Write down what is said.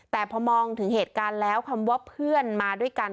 แต่พอมองถึงเหตุการณ์แล้วคำว่าเพื่อนมาด้วยกัน